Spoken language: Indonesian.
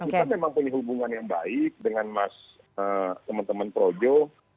kita memang punya hubungan yang baik dengan mas teman teman projo